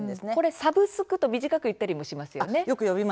サブスクとも言ったりしますよね。